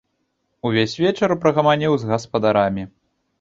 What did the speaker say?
Увесь вечар прагаманіў з гаспадарамі.